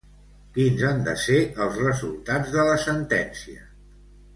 Quins han de ser els resultats de la sentència?